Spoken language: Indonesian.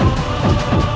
aku akan menang